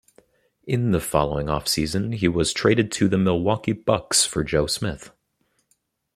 In the following off-season, he was traded to the Milwaukee Bucks for Joe Smith.